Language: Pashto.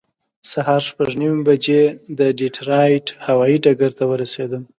سهار شپږ نیمې بجې د ډیټرایټ هوایي ډګر ته ورسېدم.